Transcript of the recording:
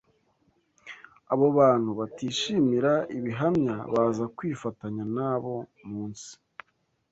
abo bantu batishimira ibihamya baza kwifatanya na bo munsi